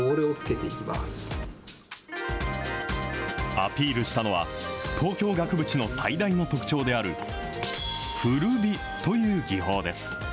アピールしたのは、東京額縁の最大の特徴である、古美という技法です。